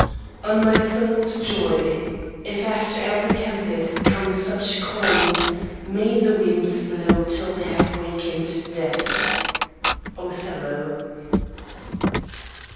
O my soul's joy! If after every tempest come such calms May the winds blow till they have wakened death! Othello.